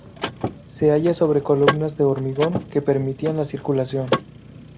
Se halla sobre columnas de hormigón que permitían la circulación.